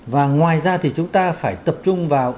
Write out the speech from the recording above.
và ngoài ra thì chúng ta phải tập trung vào